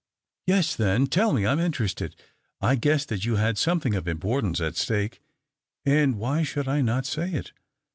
" Yes, then, tell me. I am interested. I guessed that you had something of importance it stake, and — why should I not say it